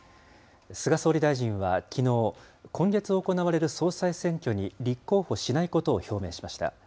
菅総理大臣はきのう、今月行われる総裁選挙に立候補しないことを表明しました。